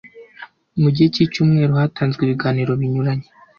Mu gihe k'icyumweru hatanzwe ibiganiro binyuranye